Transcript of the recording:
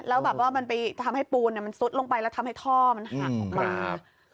แล้วแบบว่ามันไปทำให้ปูนมันซุดลงไปแล้วทำให้ท่อมันหักออกมา